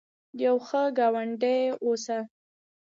یو ښه ګاونډي اوسه